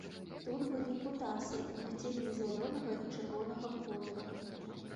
Тут былі кутасы і мігценне зялёнага і чырвонага колераў.